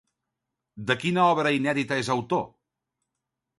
De quina obra inèdita és autor?